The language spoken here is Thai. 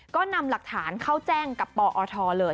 ก็นำหลักฐานเข้าแจ้งกับปอทเลย